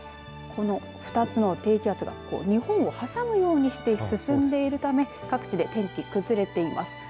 この２つの低気圧が日本を挟むようにして進んでいるため各地で天気、崩れています。